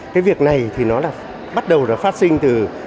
cái việc này thì nó là bắt đầu là phát sinh từ